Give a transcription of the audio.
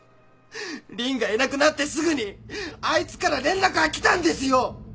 凜がいなくなってすぐにあいつから連絡がきたんですよ。